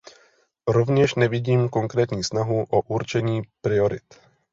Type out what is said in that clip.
Rovněž nevidím konkrétní snahu o určení priorit.